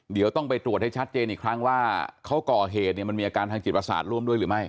เดี๋ยวต้องไปตรวจให้ชัดเจนอีกครั้งว่าเขาก่อเหตุเนี่ยมันมีอาการทางจิตประสาทร่วมด้วยหรือไม่